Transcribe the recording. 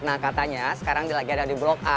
nah katanya sekarang lagi ada di blok a